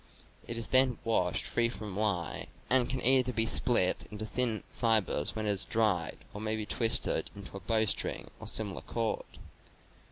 It is then washed free from lye and can either be split into thin fibers when it has dried or may be twisted into a bowstring or similar cord.